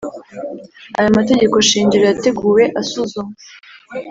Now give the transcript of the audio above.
Aya mategekoshingiro yateguwe asuzumwa